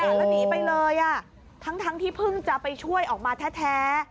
แล้วหนีไปเลยอ่ะทั้งที่เพิ่งจะไปช่วยออกมาแท้